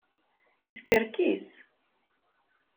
Yeskerkis.